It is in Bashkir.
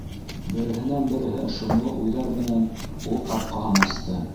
Береһенән-береһе шомло уйҙар менән ул ҡапҡаһын асты.